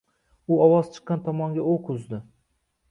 U ovoz chiqqan tomonga o’q uzdi.